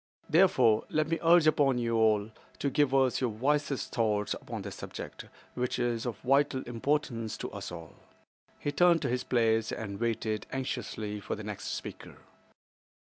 "Therefore, let me urge upon you all to give us your wisest thoughts upon this subject, which is of vital importance to us all." He returned to his place and waited anxiously for the next speaker.